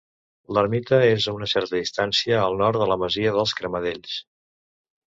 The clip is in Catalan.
L'ermita és a una certa distància al nord de la masia dels Cremadells.